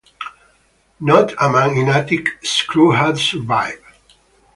Not a man in "Atik"'s crew had survived.